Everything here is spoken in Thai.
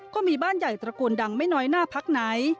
ก็มีบ้านใหญ่ตระกูลดังไม่น้อยหน้าพักไหน